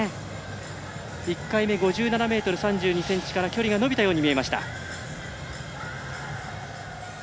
１回目５７ｍ３２ｃｍから距離が伸びたように見えました。